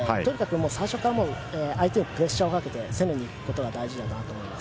最初から相手にプレッシャーをかけて攻めに行くことが大事だなと思います。